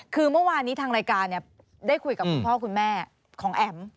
คือเมื่อวานนี้ทางรายการได้คุยกับคุณพ่อคุณแม่ของแอ๋ม